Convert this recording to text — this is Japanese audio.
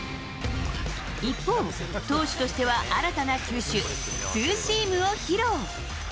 一方、投手としては新たな球種、ツーシームを披露。